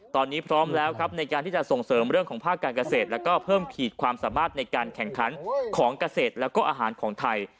ตอนนี้พร้อมแล้วครับในการที่จะส่งเสริมเรื่องของภาคการเกษตรแล้วก็เพิ่มขีดความสามารถในการแข่งขันของเกษตรแล้วก็อาหารของไทย